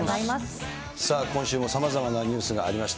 さあ、今週もさまざまなニュースがありました。